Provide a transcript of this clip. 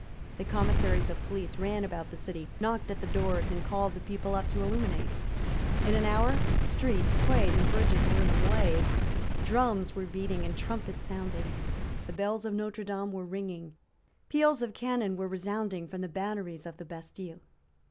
The commissaries of police ran about the city, knocked at the doors, and called the people up to illuminate. In an hour streets, quays and bridges were in a blaze: drums were beating and trumpets sounding: the bells of Notre Dame were ringing; peals of cannon were resounding from the batteries of the Bastile.